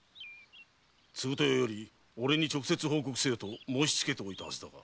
継豊より俺に直接報告せよと申しつけておいたはずだが。